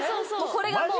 これがもう。